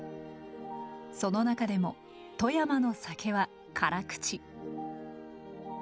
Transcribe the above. その中でも富山の酒は辛口。